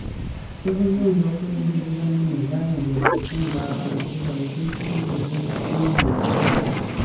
Ssebunya ne bakulembeze banne baayongera okukunga abantu baleete ssente ez’ekizimbe.